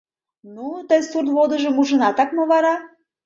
— Ну, тый сурт водыжым ужынатак мо вара?